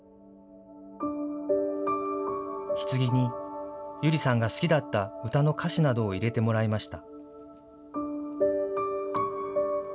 ひつぎに百合さんが好きだった歌の歌詞などを入れてもらいました。